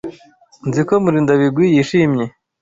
Nzi ko Murindabigwi yishimye.